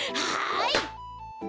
はい！